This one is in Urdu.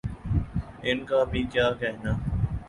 ان کا بھی کیا کہنا۔